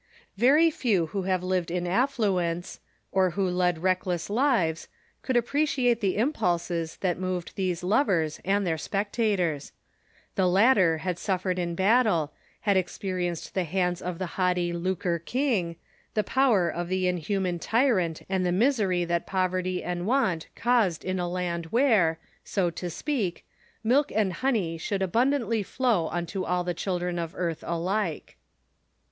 Very few who have lived in affluence, or who led reck less lives, could appreciate the impulses that moved these lovers and their spectators. The latter had suffered in battle, had experienced the liand of the haughty lucre king, the power of the inhuman tyrant and the misery that pov erty and want caused in a land where, so to speak, milk and honey should abundantly flow unto all the children of earth alike.